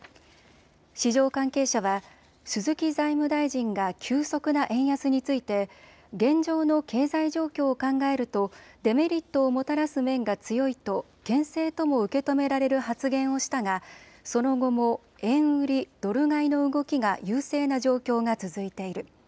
市場関係者は鈴木財務大臣が急速な円安について現状の経済状況を考えるとデメリットをもたらす面が強いとけん制とも受け止められる発言をしたがその後も円売りドル買いの動きが優勢な状況が続いている。